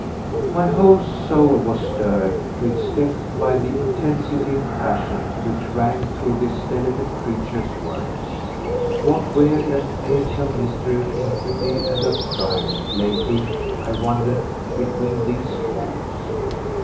My whole soul was stirred to its depths by the intensity of passion which rang through this delicate creature's words. What weird and awesome mystery of iniquity and of crime lay hid, I wondered, between these walls?